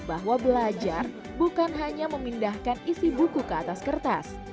bahwa belajar bukan hanya memindahkan isi buku ke atas kertas